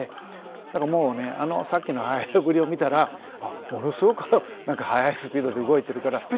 だからもうねさっきのハイハイぶりを見たらものすごく速いスピードで動いてるから。